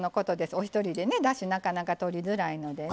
お一人でねだしなかなかとりづらいのでね。